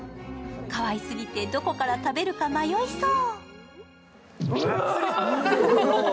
かわいすぎてどこから食べるか迷いそう。